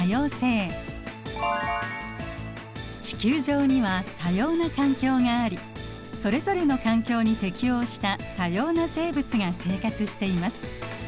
地球上には多様な環境がありそれぞれの環境に適応した多様な生物が生活しています。